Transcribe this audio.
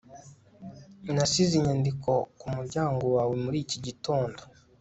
Nasize inyandiko ku muryango wawe muri iki gitondo